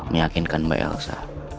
meyakinkan mbak elsa